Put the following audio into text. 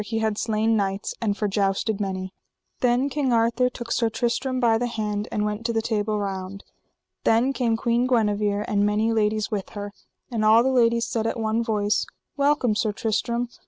That is truth, said Sir Gawaine, Sir Kay, and Sir Bleoberis. Then King Arthur took Sir Tristram by the hand and went to the Table Round. Then came Queen Guenever and many ladies with her, and all the ladies said at one voice: Welcome, Sir Tristram!